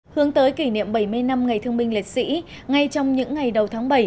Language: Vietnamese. hướng tới kỷ niệm bảy mươi năm ngày thương binh liệt sĩ ngay trong những ngày đầu tháng bảy